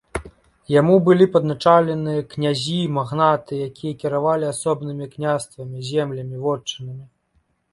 Яму былі падначалены князі, магнаты, якія кіравалі асобнымі княствамі, землямі, вотчынамі.